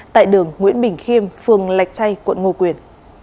tại đường nguyễn bình khiêm phường lạch chay quận ngô quyền